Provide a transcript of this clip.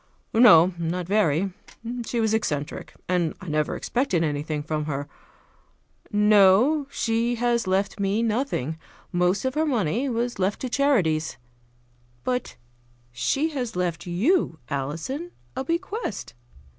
"No, not very. She was eccentric, and I never expected anything from her. No, she has left me nothing. Most of her money was left to charities; but she has left you, Alison, a bequest.